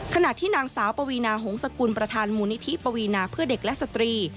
ขณะที่นางสาวปวีนาหงษกุลประธานมูลนิธิปวีนาเพื่อเด็กและสตรี